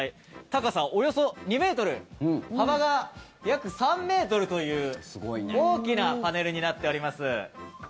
高さおよそ２ｍ幅が約３ｍという大きなパネルになっております。